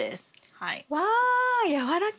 はい。